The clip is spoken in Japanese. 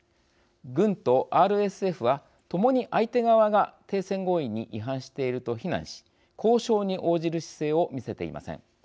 軍とＲＳＦは、ともに相手側が停戦合意に違反していると非難し交渉に応じる姿勢を見せていません。